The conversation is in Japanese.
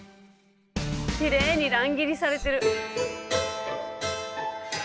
きれいに乱切りされてる。